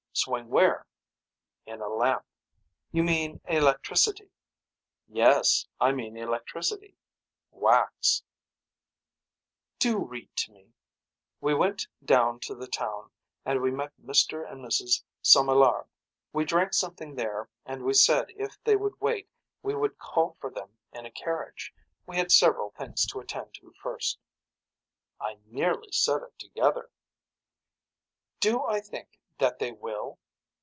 Swing where. In a lamp. You mean electricity. Yes I mean electricity. Wax. Do read to me. We went down to the town and we met Mr. and Mrs. Somaillard. We drank something there and we said if they would wait we would call for them in a carriage. We had several things to attend to first. I nearly said it together. Do I think that they will.